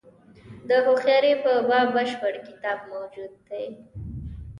د هوښیاري په باب بشپړ کتاب موجود دی.